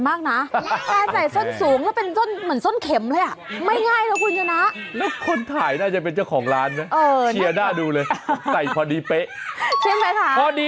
เอาดูจะสนับสนุน